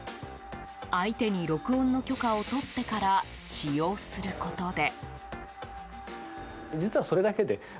相手に録音の許可を取ってから使用することで。